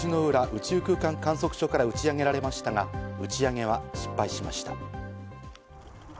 宇宙空間観測所から打ち上げられましたが打ち上げは失敗しました。